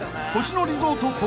［星野リゾート